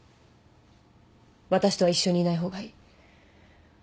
私とは一緒にいない方がいい。